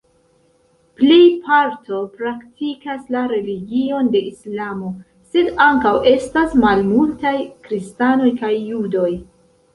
Plej parto praktikas la religion de Islamo, sed ankaŭ estas malmultaj kristanoj kaj judoj.